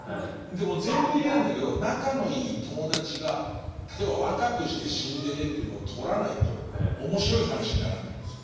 でも全部入りなんだけど仲のいい友達が例えば若くして死んでねっていうのをとらないと面白い話にならないんです。